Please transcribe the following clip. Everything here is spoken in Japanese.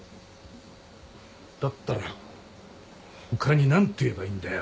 だったら他に何て言えばいいんだよ。